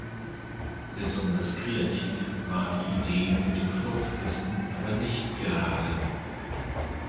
Besonders kreativ war die Idee mit dem Furzkissen aber nicht gerade.